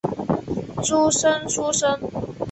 诸生出身。